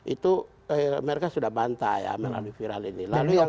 itu mereka sudah bantah ya melalui viral ini